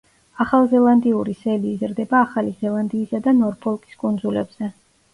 ახალზელანდიური სელი იზრდება ახალი ზელანდიისა და ნორფოლკის კუნძულებზე.